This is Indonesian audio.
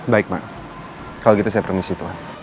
baik mak kalau begitu saya permisi tuhan